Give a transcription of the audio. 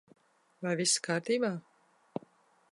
Vai viss kārtībā?